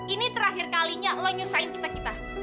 ini terakhir kalinya lo nyusain kita kita